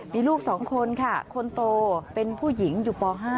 มีลูก๒คนค่ะคนโตเป็นผู้หญิงอยู่ป๕